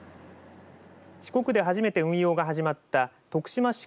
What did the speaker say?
四国で初めて運用が始まった徳島市